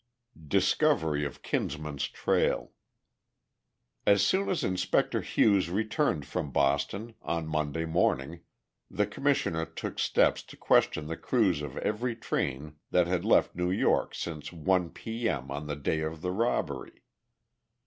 Discovery of Kinsman's Trail As soon as Inspector Hughes returned from Boston, on Monday morning, the Commissioner took steps to question the crews of every train that had left New York since one p. m. on the day of the robbery.